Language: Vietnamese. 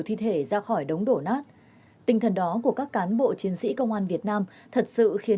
thi thể ra khỏi đống đổ nát tinh thần đó của các cán bộ chiến sĩ công an việt nam thật sự khiến